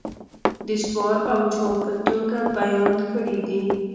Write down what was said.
دسوال او جواب په توگه بیان کړي دي